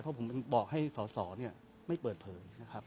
เพราะผมบอกให้ส่อไม่เปิดเผย